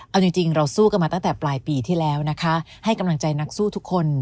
เอาจริงเราสู้กันมาตั้งแต่ปลายปีที่แล้วนะคะให้กำลังใจนักสู้ทุกคน